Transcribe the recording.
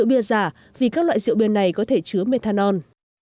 rượu bia giả vì các loại rượu bia này có thể chứa methanol